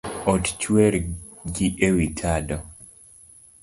Ot chwer gi ewi tado